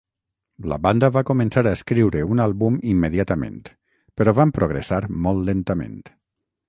La banda va començar a escriure un àlbum immediatament, però van progressar molt lentament.